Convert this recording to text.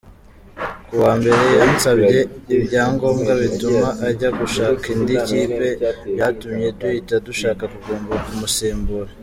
Kuwa Mbere yansabye ibyangombwa bituma ajya gushaka indi kipe byatumye duhita dushaka ugomba kumusimbura.